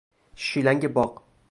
شیلنگ باغ